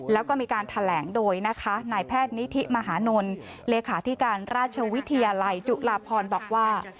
แล้วก็มีการแถลงโดยนะคะนายแพทย์นิธิมหานลเลขาธิการราชวิทยาลัยจุฬาพรบอกว่า